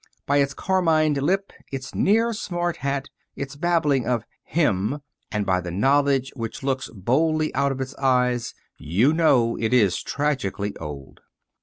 By its carmined lip, its near smart hat, its babbling of "him," and by the knowledge which looks boldly out of its eyes you know it is tragically old.